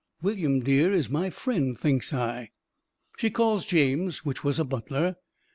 "William Dear is my friend," thinks I. She calls James, which was a butler.